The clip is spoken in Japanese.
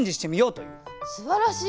すばらしい！